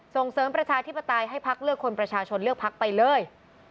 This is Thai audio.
ส่งเสริมประชาธิปไตยให้พักเลือกคนประชาชนเลือกพักไปเลย